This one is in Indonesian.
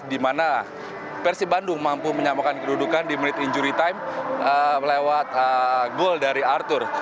dimana persi bandung mampu menyamakan kedudukan di menit injury time lewat gol dari arthur